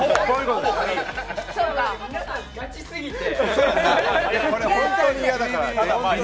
皆さん、ガチ過ぎて。